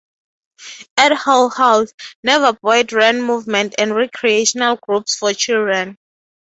At Hull House, Neva Boyd ran movement and recreational groups for children.